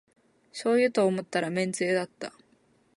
しょうゆと思ったらめんつゆだった